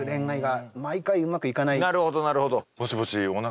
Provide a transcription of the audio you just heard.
なるほどなるほど。